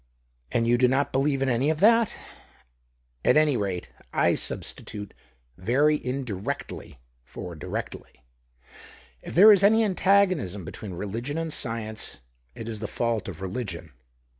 " And you do not believe in any of that ?"" At any rate, I substitute ' very indirectly ' THE OCTAVE OF CLAUDIUS. 103 for 'directly.' If there is any antagonism between religion and science, it is the fault of religion.